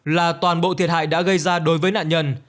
là toàn bộ thiệt hại đã gây ra đối với nạn nhân